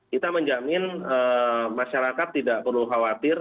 kita menjamin masyarakat tidak perlu khawatir